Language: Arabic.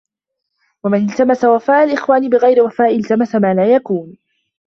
وَمَنْ الْتَمَسَ وَفَاءَ الْإِخْوَانِ بِغَيْرِ وَفَاءٍ الْتَمَسَ مَا لَا يَكُونُ